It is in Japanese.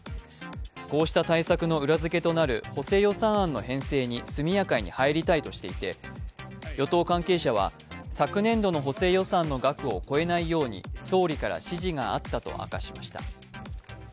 こうした対策の裏付けとなる補正予算案の編成に速やかに入りたいとしていて、与党関係者は昨年度の補正予算の額を超えないように総理から指示があったと話しました。